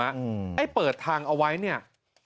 ไอ้เปิดทางเอาไว้เนี่ย